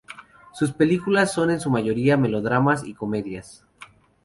Sus películas son en su mayoría melodramas y comedias.